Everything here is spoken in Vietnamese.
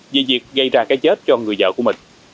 về việc gây ra cái chết cho người vợ của mình